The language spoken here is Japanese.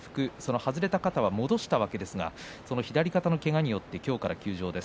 外れた肩を戻したわけですが左肩のけがによって今日から休場です。